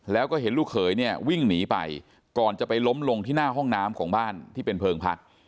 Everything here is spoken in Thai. แล้วก็เห็นลูกเขยเนี่ยวิ่งหนีไปก่อนจะไปล้มลงที่หน้าห้องน้ำของบ้านที่เป็นเพลิงพัก